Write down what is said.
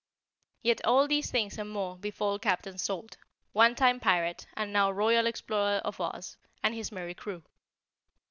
Yet all these things and more befall Captain Salt, one time Pirate and now Royal Explorer of Oz, and his merry crew.